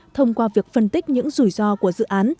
thông qua việc phân tích những rủi ro của dự án